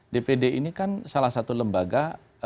dpd ini kan salah satu lembaga